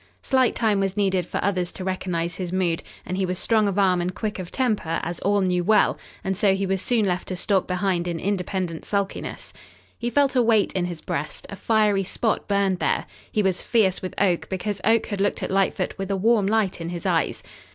Slight time was needed for others to recognize his mood, and he was strong of arm and quick of temper, as all knew well, and, so, he was soon left to stalk behind in independent sulkiness. He felt a weight in his breast; a fiery spot burned there. He was fierce with Oak because Oak had looked at Lightfoot with a warm light in his eyes.